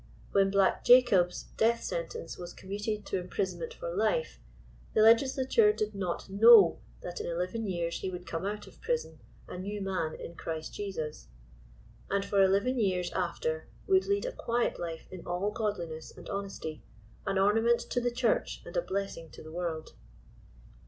When black Jacob's death sentence was commuted to imprisonment for life, the legisla* t ure did not know that in eleven years he would come out of prison* a new man in Christ Jesus, and for eleven years afler would lead a quiet life in all godliness and honesty, an ornament to the (church and a blessing to the world.